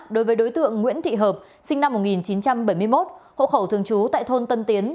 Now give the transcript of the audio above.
đối với đối tượng nguyễn thị hợp sinh năm một nghìn chín trăm bảy mươi một hộ khẩu thường trú tại thôn tân tiến